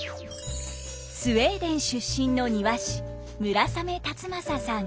スウェーデン出身の庭師村雨辰剛さん。